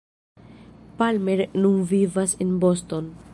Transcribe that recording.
Palmer nun vivas en Boston.